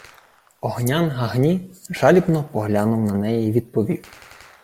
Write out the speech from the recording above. Огнян-Гагні жалібно поглянув на неї й відповів: